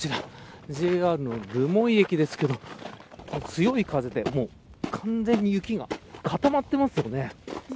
ＪＲの留萌駅ですが強い風で完全に雪が固まってますよね。